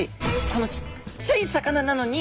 このちっちゃい魚なのに。